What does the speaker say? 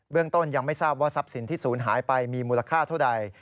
เรื่องต้นยังไม่ทราบว่าทรัพย์สินที่ศูนย์หายไปมีมูลค่าเท่าใด